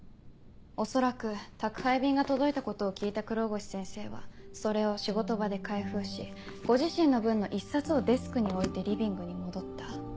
恐らく宅配便が届いたことを聞いた黒越先生はそれを仕事場で開封しご自身の分の１冊をデスクに置いてリビングに戻った。